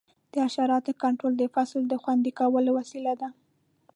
د حشراتو کنټرول د فصل د خوندي کولو وسیله ده.